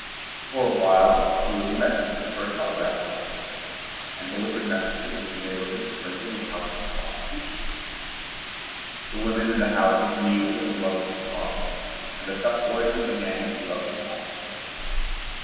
For a while he was a messenger for a telegraph company and delivered messages in a neighborhood sprinkled with houses of prostitution. The women in the houses knew and loved Tom Foster and the tough boys in the gangs loved him also.